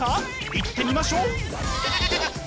いってみましょう！